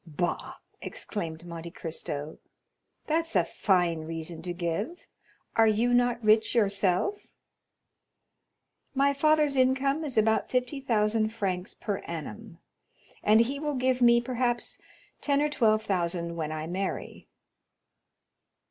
"Bah," exclaimed Monte Cristo, "that's a fine reason to give. Are you not rich yourself?" "My father's income is about 50,000 francs per annum; and he will give me, perhaps, ten or twelve thousand when I marry."